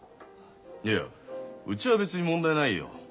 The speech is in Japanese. いやうちは別に問題ないよ。